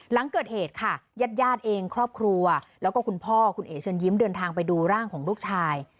หลังเกิดเหตุค่ะญาติญาติเองครอบครัวแล้วก็คุณพ่อคุณเอ๋เชิญยิ้มเดินทางไปดูร่างของลูกชาย